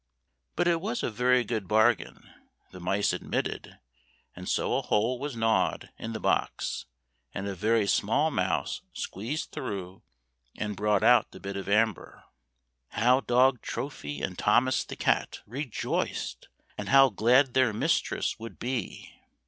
But it was a very good bargain, the mice admitted; and so a hole was gnawed in the box, and a very small mouse squeezed through and brought out the bit of amber. How dog Trophy, and Thomas the cat, rejoiced! And how glad their mistress would be!